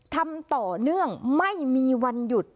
ทำต่อเนื่องไม่มีวันหยุด